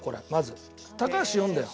高橋読んでよ。